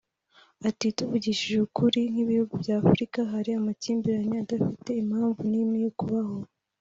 Ati “Tuvugishije ukuri nk’ibihugu by’Afurika hari amakimbirane adafite impamvu n’imwe yo kubaho